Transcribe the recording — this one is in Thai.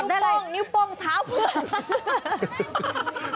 นิ้วโป้งนิ้วโป้งสาวเพื่อน